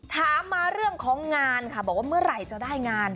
ถามมาเรื่องของงานค่ะบอกว่าเมื่อไหร่จะได้งาน